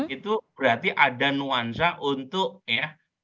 itu berarti ada nuansa untuk ya